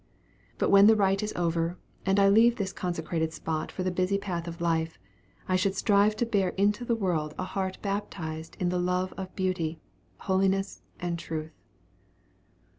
But when the rite is over, and I leave this consecrated spot for the busy path of life, I should strive to bear into the world a heart baptized in the love of beauty, holiness, and truth.